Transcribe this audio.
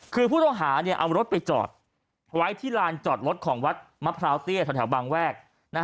คือผู้ต้องหาเอารถไปจอดไว้ที่ลานจอดรถของวัดมะพร้าวเตี้ยแถวบางแวก